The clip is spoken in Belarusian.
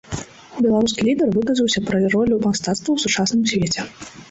Беларускі лідар выказаўся пра ролю мастацтва ў сучасным свеце.